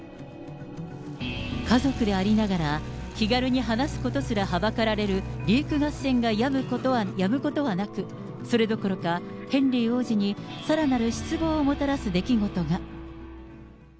家族でありながら、気軽に話すことすらはばかられるリーク合戦がやむことはなく、それどころか、ヘンリー王子にさらなる失望をもたらす出来事が。